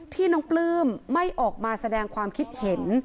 ที่น้องปลื้มไม่ออกมาแสดงความคิดเห็น